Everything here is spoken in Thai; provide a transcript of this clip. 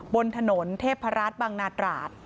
บนถนนเทพราชบังนาตราด